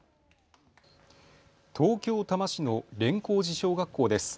東京多摩市の連光寺小学校です。